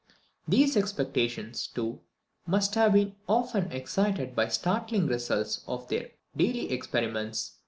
These expectations, too, must have been often excited by the startling results of their daily experiments.